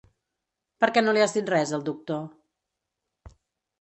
Per què no li has dit res al doctor?